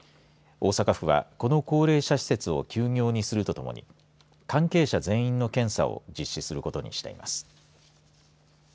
大阪府は、この高齢者施設を休業にするとともに関係者全員の検査を実施することにしています。